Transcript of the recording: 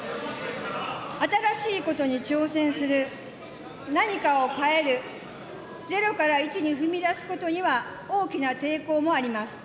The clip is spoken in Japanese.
新しいことに挑戦する、何かを変える、ゼロからイチに踏み出すことには大きな抵抗もあります。